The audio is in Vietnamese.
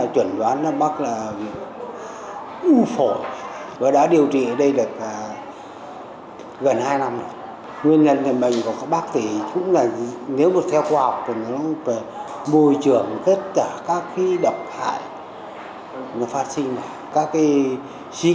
theo thông tin từ bệnh viện ung bướu hà nội những năm gần đây số ca trần đoán mắc và thực hiện điều trị các bệnh phổ biến như ung thư phổi ung thư da có chiều hướng ngày càng gia tăng